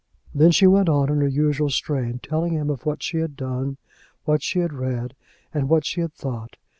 Then she went on in her usual strain, telling him of what she had done, what she had read, and what she had thought.